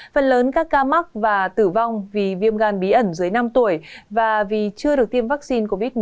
phần lớn các ca mắc và tử vong vì viêm gan bí ẩn dưới năm tuổi và vì chưa được tiêm vaccine covid một mươi chín